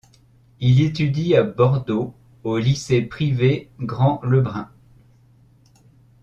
Il étudie à Bordeaux, au lycée privé Grand Lebrun.